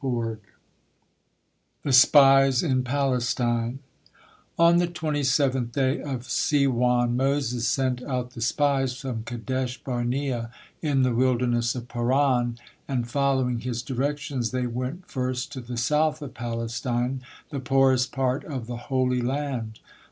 THE SPIES IN PALESTINE On the twenty seventh day of Siwan Moses sent out the spies from Kadesh Barnea in the wilderness of Paran, and following his directions they went first to the south of Palestine, the poorest part of the Holy Land.